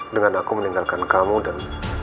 dengan aku meninggalkan kamu dan